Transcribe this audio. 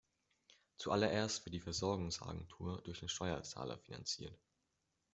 Zuallererst wird die Versorgungsagentur durch den Steuerzahler finanziert.